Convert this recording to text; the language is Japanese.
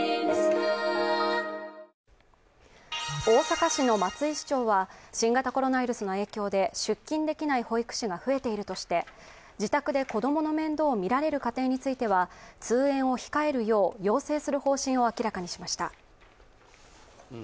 大阪市の松井市長は新型コロナウイルスの影響で出勤できない保育士が増えているとして自宅で子供の面倒を見られる家庭については通園を控えるよう要請する方針を明らかにしました。